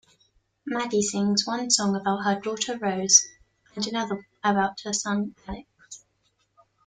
Maddy sings one song about her daughter Rose, and another about her son Alex.